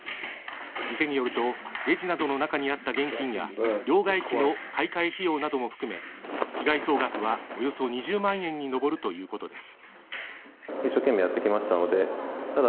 店によるとレジなどの中にあった現金や両替機の買い替え費用なども含め被害総額はおよそ２０万円に上るということです。